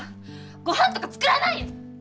ごはんとか作らない！